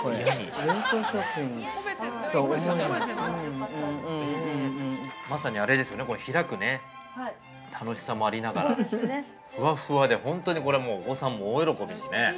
◆まさにあれですよね、開くね楽しさもありながらふわふわで、本当にこれはもうお子さんも大喜びですね。